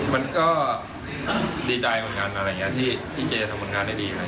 มันก็ดีใจคุณครับที่เจศัพท์ทำผลงานได้ดี